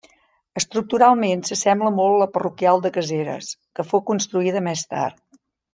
Estructuralment s'assembla molt a la parroquial de Caseres, que fou construïda més tard.